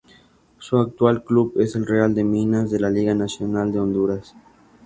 Su actual club es el Real de Minas, de la Liga Nacional de Honduras.